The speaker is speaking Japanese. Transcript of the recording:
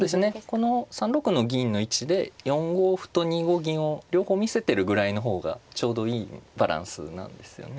この３六の銀の位置で４五歩と２五銀を両方見せてるぐらいの方がちょうどいいバランスなんですよね。